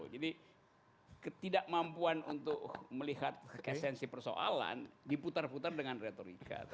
jadi ketidakmampuan untuk melihat kesensi persoalan diputar putar dengan retorika